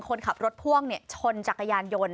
คนขับรถพ่วงชนจักรยานยนต์